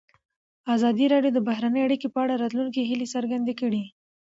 ازادي راډیو د بهرنۍ اړیکې په اړه د راتلونکي هیلې څرګندې کړې.